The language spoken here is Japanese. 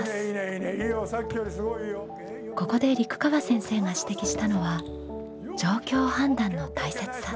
ここで陸川先生が指摘したのは状況判断の大切さ。